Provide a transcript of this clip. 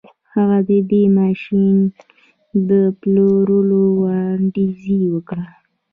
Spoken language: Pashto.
هغه د دې ماشين د پلورلو وړانديز وکړ.